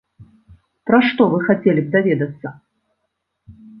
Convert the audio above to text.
Пра што вы хацелі б даведацца?